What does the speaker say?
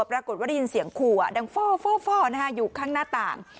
ปรากฏว่ารีนเสียงขู่อ่ะดังฟ่อฟ่อฟ่อนะคะอยู่ข้างหน้าต่าง